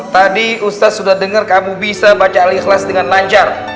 tadi ustadz sudah dengar kamu bisa baca al ikhlas dengan lancar